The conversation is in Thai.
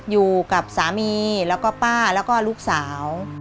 อยู่กับสามีแล้วก็ป้าแล้วก็ลูกสาว